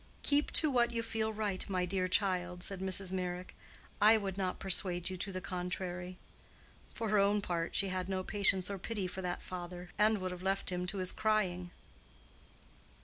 "Keep to what you feel right, my dear child," said Mrs. Meyrick. "I would not persuade you to the contrary." For her own part she had no patience or pity for that father, and would have left him to his crying.